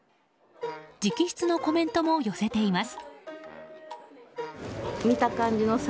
直筆のコメントも寄せています。